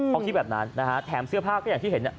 เขาคิดแบบนั้นนะฮะแถมเสื้อผ้าก็อย่างที่เห็น